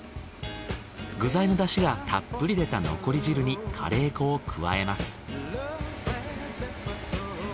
具材の出汁がたっぷり出た残り汁にカレー粉を加えます。